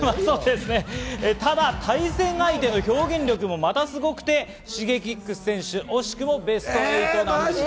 ただ対戦相手の表現力もまたすごくて、Ｓｈｉｇｅｋｉｘ選手、惜しくもベスト８敗退です。